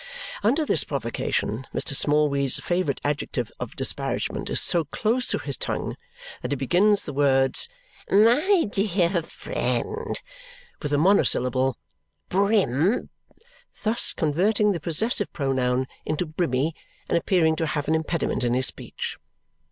Under this provocation, Mr. Smallweed's favourite adjective of disparagement is so close to his tongue that he begins the words "my dear friend" with the monosyllable "brim," thus converting the possessive pronoun into brimmy and appearing to have an impediment in his speech.